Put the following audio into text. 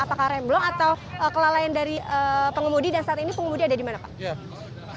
apakah remblong atau kelalaian dari pengemudi dan saat ini pengemudi ada di mana pak